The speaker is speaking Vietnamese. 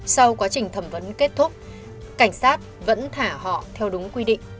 sau quá trình thẩm vấn kết thúc cảnh sát vẫn thả họ theo đúng quy định